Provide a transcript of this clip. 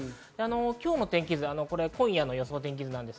今日の天気図、今夜の予想です。